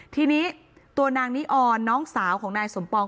ทีนี้ตัวนางนิออนน้องสาวของนายสมปอง